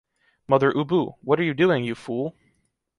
Mother Ubu, what are you doing, you fool?